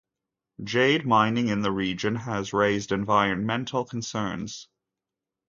Jade mining in the region has raised environmental concerns.